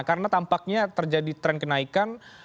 karena tampaknya terjadi tren kenaikan